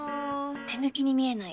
「手抜きに見えない